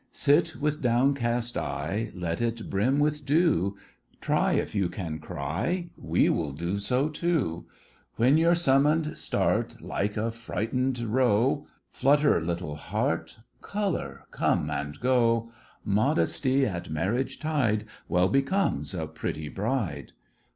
Sit with downcast eye Let it brim with dew— Try if you can cry— We will do so, too. When you're summoned, start Like a frightened roe— Flutter, little heart, Colour, come and go! Modesty at marriage tide Well becomes a pretty bride!